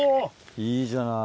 いいじゃない。